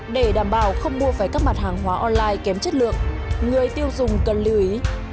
để đảm bảo không mua phải các mặt hàng hóa online kém chất lượng người tiêu dùng cần lưu ý